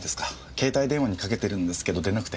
携帯電話にかけてるんですけど出なくて。